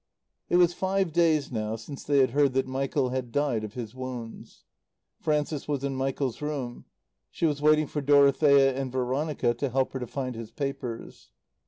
It was five days now since they had heard that Michael had died of his wounds. Frances was in Michael's room. She was waiting for Dorothea and Veronica to help her to find his papers.